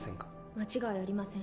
間違いありません